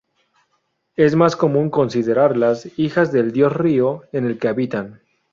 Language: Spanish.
Es más común considerarlas hijas del dios-río en el que habitan.